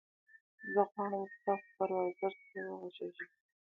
زه غواړم ستا سوپروایزر سره وغږېږم.